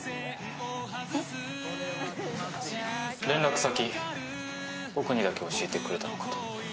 連絡先僕にだけ教えてくれたのかと。